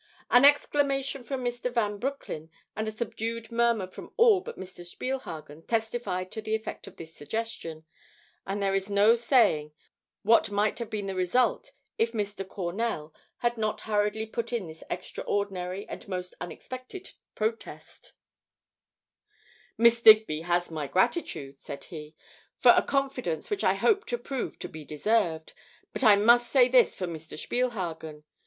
An exclamation from Mr. Van Broecklyn and a subdued murmur from all but Mr. Spielhagen testified to the effect of this suggestion, and there is no saying what might have been the result if Mr. Cornell had not hurriedly put in this extraordinary and most unexpected protest: "Miss Digby has my gratitude," said he, "for a confidence which I hope to prove to be deserved. But I must say this for Mr. Spielhagen.